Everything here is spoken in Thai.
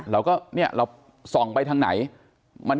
เราก็ส่องไปทางไหน